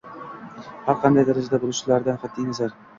har qanday darajada bo’lishlaridan qat’iy nazar